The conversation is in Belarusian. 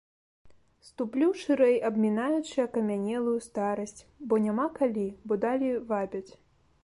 Ступлю шырэй, абмінаючы акамянелую старасць, бо няма калі, бо далі вабяць.